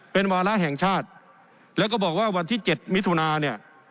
เป็นวาระแห่งชาติแล้วก็บอกว่าวันที่๗มิถุนาเนี่ย